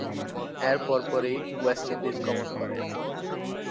এর পরপরই West Indies গমন করেন।